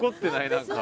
何か。